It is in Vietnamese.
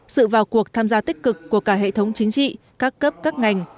sự vào cuộc tham gia tích cực của cả hệ thống chính trị các cấp các ngành